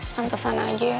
pantesan aja ya